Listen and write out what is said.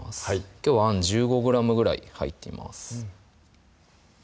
きょうはあん１５ｇぐらい入っています